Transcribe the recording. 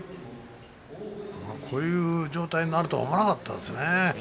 こういう状態になるとは思わなかったですね。